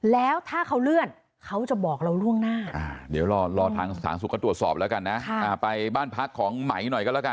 แล้วถ้าเขาเลื่อนเขาจะบอกเราร่วงหน้า